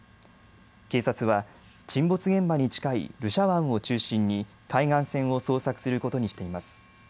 警察は沈没現場に近いルシャ湾を中心に海岸線を捜索することにしています。